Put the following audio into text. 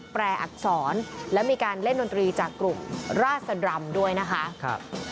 แปลอักษรและมีการเล่นดนตรีจากกลุ่มราชดำด้วยนะคะ